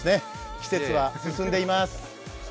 季節は進んでいます。